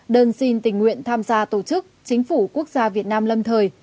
đơn xin tình nguyện tham gia tổ chức chính phủ quốc gia việt nam lâm thời